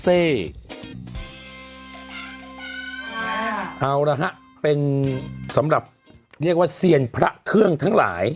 เอาละฮะเป็นสำหรับเรียกว่าเซียนพระเครื่องทั้งหลาย